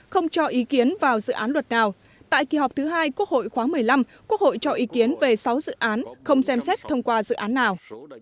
không cho ý kiến vào dự án luật nào tại kỳ họp thứ hai quốc hội khóa một mươi năm quốc hội cho ý kiến về sáu dự án không xem xét thông qua dự án nào